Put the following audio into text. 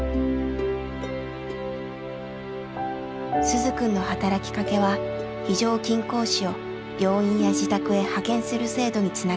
鈴くんの働きかけは非常勤講師を病院や自宅へ派遣する制度につながりました。